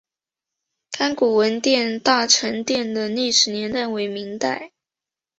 甘谷文庙大成殿的历史年代为明代。